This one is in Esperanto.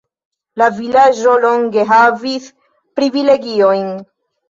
La vilaĝo longe havis privilegiojn.